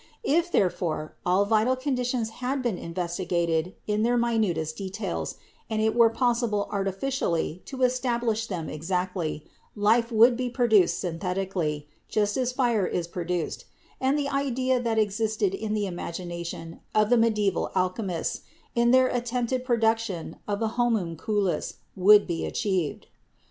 If, therefore, all vital conditions had been investigated in their minutest details, and it were possible artificially to establish them exactly, life would be produced synthetically, just as fire is produced, and the ideal that existed in the imagination of the medieval alchemists in their attempted production of the homunculus would be achieved."